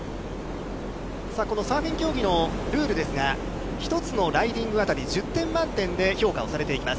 このサーフィン競技のルールですが、一つのライディング当たり１０点満点で評価をされています。